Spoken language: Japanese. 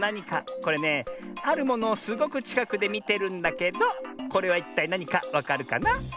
これねあるものをすごくちかくでみてるんだけどこれはいったいなにかわかるかな？